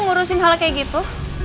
ngurusin hal kayak gitu